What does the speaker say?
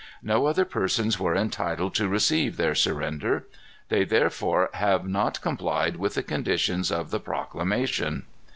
No other persons were entitled, to receive their surrender. They therefore have not complied with the conditions of the proclamation."